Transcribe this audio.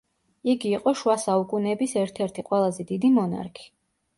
იგი იყო შუა საუკუნეების ერთ-ერთი ყველაზე დიდი მონარქი.